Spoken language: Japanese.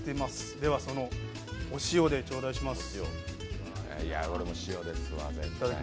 ではお塩でちょうだいします。